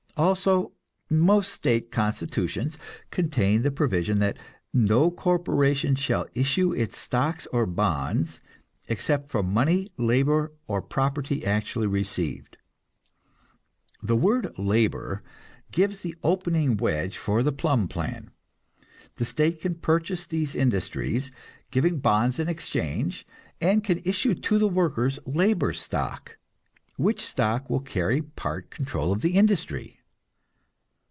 Also, most state constitutions contain the provision that "no corporation shall issue its stocks or bonds, except for money, labor, or property actually received." The word "labor" gives the opening wedge for the Plumb plan. The state can purchase these industries, giving bonds in exchange, and can issue to the workers labor stock, which stock will carry part control of the industry.